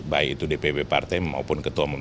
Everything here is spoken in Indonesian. baik itu dpp partai maupun ketua umum